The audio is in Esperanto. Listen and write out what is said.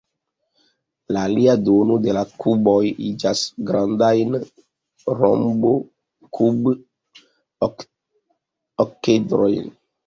La alia duono de la kuboj iĝas grandajn rombokub-okedrojn.